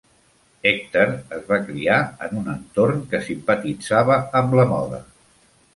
Hechter es va criar en un entorn que simpatitzava amb la moda.